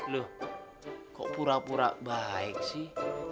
loh kok pura pura baik sih